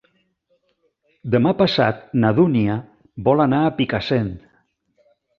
Demà passat na Dúnia vol anar a Picassent.